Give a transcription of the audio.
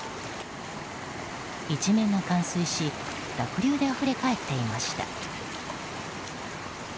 一面が冠水し濁流であふれ返っていました。